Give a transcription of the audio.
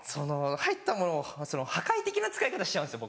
入ったものを破壊的な使い方しちゃうんですよ